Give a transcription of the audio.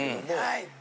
はい。